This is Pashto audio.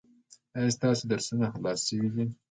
ایا ستاسو درسونه خلاص شوي دي؟